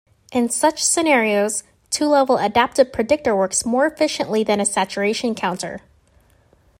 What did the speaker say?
In such scenarios, two-level adaptive predictor works more efficiently than a saturation counter.